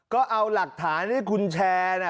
ก็เอาหลักฐานที่คุณแชร์